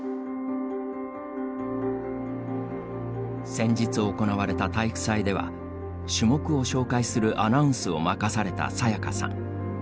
先日行われた体育祭では種目を紹介するアナウンスを任されたさやかさん。